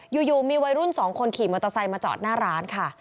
อยู่มีวัยรุ่นสองคนขี่มอเตอร์ไซค์มาจอดหน้าร้านค่ะ